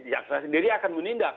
jaksa sendiri akan menindak